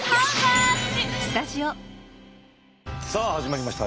さあ始まりました。